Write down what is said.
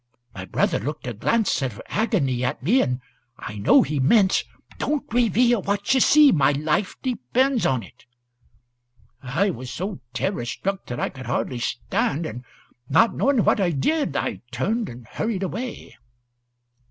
My brother looked a glance of agony at me, and I knew he meant, 'Don't reveal what you see; my life depends on it.' I was so terror struck that I could hardly stand, and, not knowing what I did, I turned and hurried away."